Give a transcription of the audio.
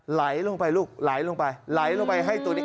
ไหลลงไปลูกไหลลงไปไหลลงไปให้ตัวเด็ก